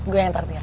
gue yang traktir